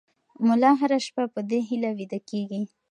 ملا هره شپه په دې هیله ویده کېږي.